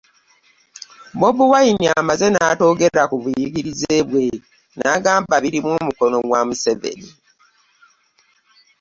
Bobi Wine amaze n'atogera ku buyigirize bwe n'agamba birimu omukono gwa Museveni